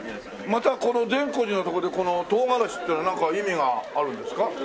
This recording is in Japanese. またこの善光寺のとこでこの唐がらしっていうのはなんか意味があるんですか？